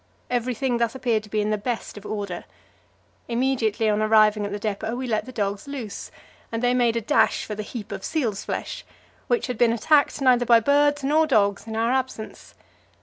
Everything thus appeared to be in the best of order. Immediately on arriving at the depot we let the dogs loose, and they made a dash for the heap of seal's flesh, which had been attacked neither by birds nor dogs in our absence.